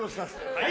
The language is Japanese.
はい！